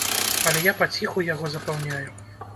Але я паціху яго запаўняю.